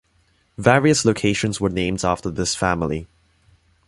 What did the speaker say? Various locations were named after this family.